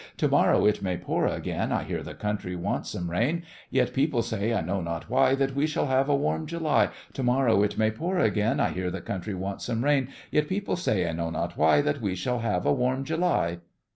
To morrow it may pour again (I hear the country wants some rain), Yet people say, I know not why, That we shall have a warm July. To morrow it may pour again (I hear the country wants some rain), Yet people say, I know not why, That we shall have a warm July.